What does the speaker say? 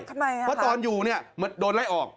ทำไมครับคะว่าตอนอยู่โดนไล่ออก